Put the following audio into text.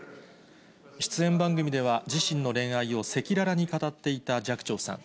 出演番組では、自身の恋愛を赤裸々に語っていた寂聴さん。